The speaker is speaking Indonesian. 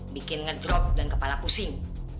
bikin ngedrop dan kepala pusing